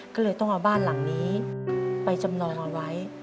ก็เลยต้องเอาบ้านหลังนี้ไปจำนองเอาไว้